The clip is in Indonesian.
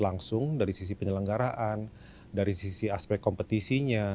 langsung dari sisi penyelenggaraan dari sisi aspek kompetisinya